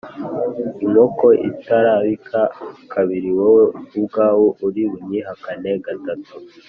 “inkoko itarabika kabiri, wowe ubwawe uri bunyihakane gatatu